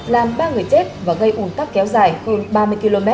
làm ba người chết và gây ủn tắc kéo dài hơn ba mươi km